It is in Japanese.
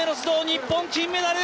日本、金メダル！